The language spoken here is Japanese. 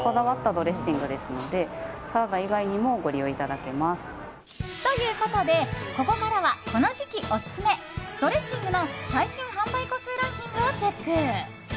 続いては。ということでここからはこの時期オススメドレッシングの最新販売個数ランキングをチェック。